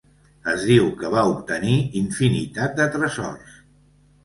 Es diu que va obtenir infinitat de tresors.